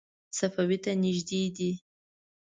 صفوي ته نږدې دی.